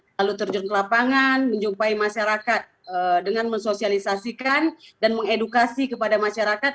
lalu terjun ke lapangan menjumpai masyarakat dengan mensosialisasikan dan mengedukasi kepada masyarakat